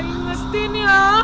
kayak ingetin ya